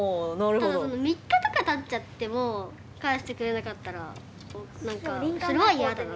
ただでも３日とかたっちゃっても帰してくれなかったら何かそれは嫌だな。